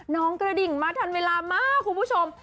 น้องกระดิ่งมาทันเวลามากคุณผู้ชม